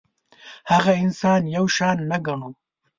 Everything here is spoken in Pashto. هغه انسان یو شان نه ګڼو.